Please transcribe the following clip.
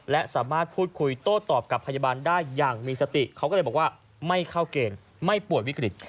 และสามารถพูดคุยโต้ตอบกับพยาบาลได้อย่างมีสติเขาก็เลยบอกว่าไม่เข้าเกณฑ์ไม่ป่วยวิกฤต